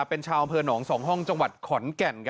เป็นชาวอำเภอหนอง๒ห้องจังหวัดขอนแก่น